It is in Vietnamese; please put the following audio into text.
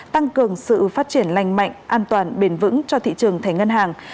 tăng cường sự phát triển lành mạnh an toàn bền vững cho thị trường thẻ ngân hàng